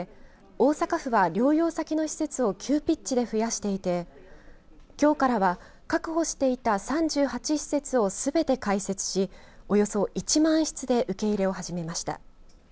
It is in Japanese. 大阪府は、療養先の施設を急ピッチに増やしていてきょうからは確保していた３８施設をすべて開設しおよそ１万室で受け入れを始めました。